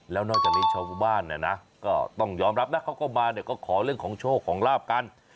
แล้วนอกจากเลยชาวบ้านนะครับน่ะต้องยอมรับนะเขาก็มาขอเรื่องของโชคของราบกัน